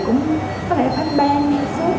cũng có lẽ phải ban sốt